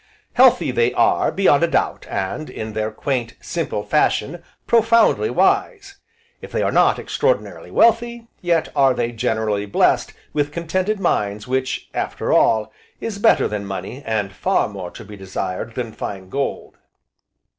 Healthy they are, beyond a doubt, and, in their quaint, simple fashion, profoundly wise. If they are not extraordinarily wealthy, yet are they generally blessed with contented minds which, after all, is better than money, and far more to be desired than fine gold.